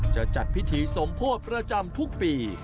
จะจัดพิธีสมโพธิประจำทุกปี